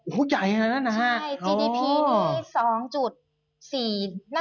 โหใหญ่มากนะฮะ